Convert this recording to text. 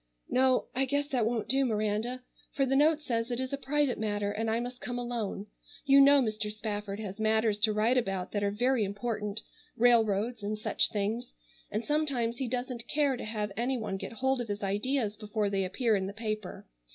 "No, I guess that won't do, Miranda, for the note says it is a private matter and I must come alone. You know Mr. Spafford has matters to write about that are very important, railroads, and such things, and sometimes he doesn't care to have any one get hold of his ideas before they appear in the paper.